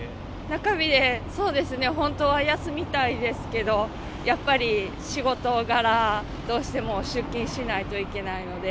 中日で、そうですね、本当は休みたいですけど、やっぱり仕事柄、どうしても出勤しないといけないので。